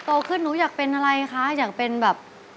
โตขึ้นหนูอยากเป็นอะไรคะอยากเป็นแบบ